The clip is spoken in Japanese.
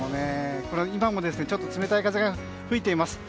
今も、冷たい風が吹いています。